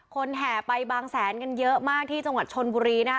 แห่ไปบางแสนกันเยอะมากที่จังหวัดชนบุรีนะคะ